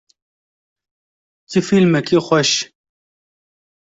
Çi fîlmekî xweş.